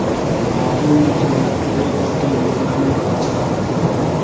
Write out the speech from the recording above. هاتوومە ئێرە، لێرەش پێم بزانن قاچاغم